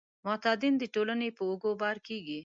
معتادین د ټولنې په اوږو بار کیږي.